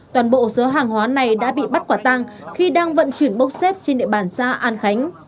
toàn bộ số hàng hóa này đã bị bắt quả tăng khi đang vận chuyển bốc xếp trên địa bàn xã an khánh